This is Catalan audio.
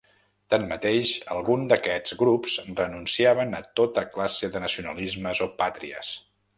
Tanmateix algun d'aquests grups renunciaven a tota classe de nacionalismes o pàtries.